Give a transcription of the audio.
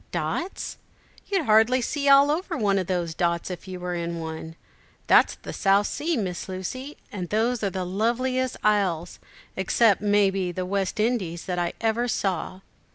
"Dots? You'd hardly see all over one of those dots if you were in one. That's the South Sea Miss Lucy, and those are the loveliest isles, except, may be, the West Indies, that ever I saw."